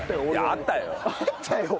あったよ！